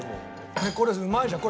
これうまいじゃん。